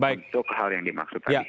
untuk hal yang dimaksud tadi